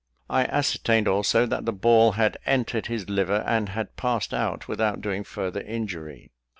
I ascertained also that the ball had entered his liver, and had passed out without doing farther injury.